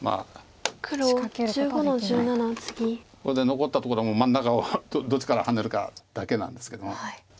これで残ったところ真ん中をどっちからハネるかだけなんですけども。